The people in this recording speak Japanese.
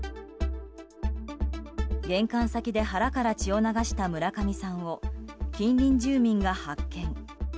玄関先で腹から血を流した村上さんを近隣住民が発見。